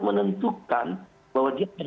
menentukan bahwa dia akan